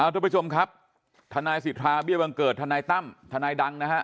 ทุกผู้ชมครับทนายสิทธาเบี้ยบังเกิดทนายตั้มทนายดังนะฮะ